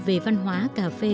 về văn hóa cà phê